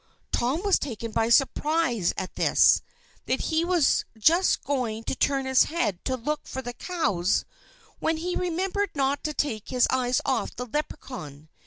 Tom was so taken by surprise at this, that he was just going to turn his head to look for the cows, when he remembered not to take his eyes off the Leprechaun.